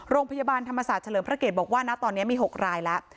โรงพยาบาลธรรมศาสตร์เฉลิมพระเกตบอกว่าณตอนนี้มี๖รายแล้ว